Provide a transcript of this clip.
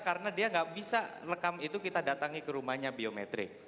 karena dia gak bisa rekam itu kita datangi ke rumahnya biometrik